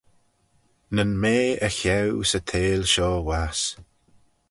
Nyn mea y cheau 'sy theihll shoh wass.